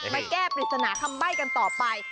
ไปแก้ปริศนาคำใบ้กันต่อไป